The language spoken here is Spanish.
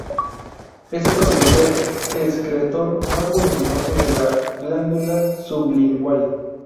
Es el conducto excretor más voluminoso de la glándula sublingual.